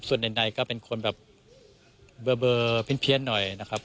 ส่วนใดก็เป็นคนแบบเบอร์เพี้ยนหน่อยนะครับ